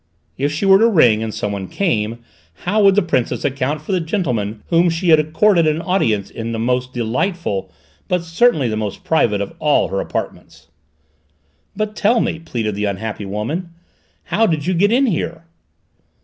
If she were to ring, and someone came, how would the Princess account for the gentleman to whom she had accorded an audience in the most delightful, but certainly the most private of all her apartments?" "But tell me," pleaded the unhappy woman, "how did you get in here?"